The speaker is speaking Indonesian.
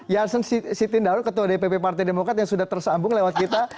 yansen siti ndaro ketua dpp partai demokrat yang sudah tersambung lewat kita